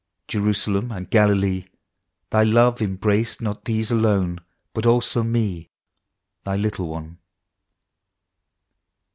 Jerusalem and Galilee, — Thy love embraced not those alone, But also me Thy little one.